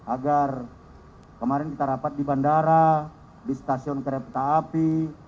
agar kemarin kita rapat di bandara di stasiun kereta api